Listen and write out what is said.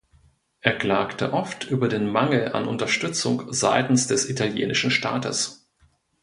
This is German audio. Er klagte oft über den Mangel an Unterstützung seitens des italienischen Staates.